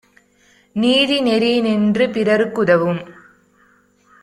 நீதிநெறி யினின்று பிறர்க்கு தவும்